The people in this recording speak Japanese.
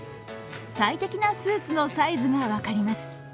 最適なスーツのサイズが分かります。